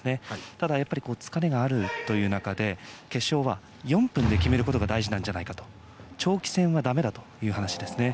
ただ、やはり疲れがあるということで、決勝は４分で決めることが大事なんじゃないか長期戦はだめだという話です。